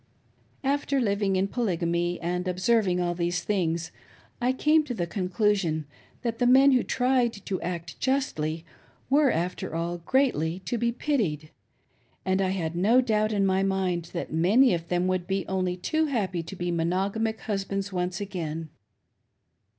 After living in Polygamy and observing all these things, I came to the conclusion that the men who tried to act justly were, after all, greatly to be pitied ; and I had no doubt in my mind that many of them would only be too happy to be mono gamic husbands once again.